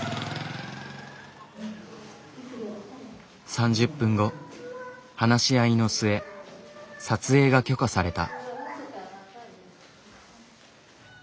３０分後話し合いの末撮影が許可された。